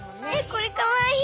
これかわいい。